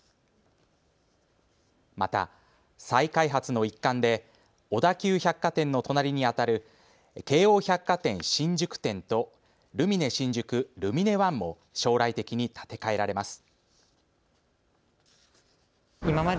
また再開発の一環で小田急百貨店の隣にあたる京王百貨店新宿店とルミネ新宿ＬＵＭＩＮＥ１も将来的に建て替えられます。